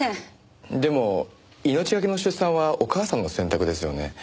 でも命がけの出産はお母さんの選択ですよね？